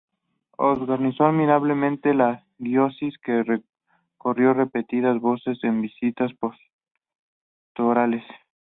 Organizó admirablemente la diócesis, que recorrió repetidas veces en visitas pastorales.